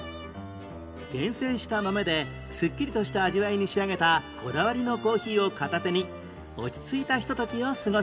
厳選した豆でスッキリとした味わいに仕上げたこだわりのコーヒーを片手に落ち着いたひと時を過ごせるんです